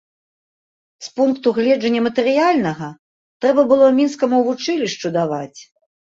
З пункту гледжання матэрыяльнага, трэба было мінскаму вучылішчу даваць.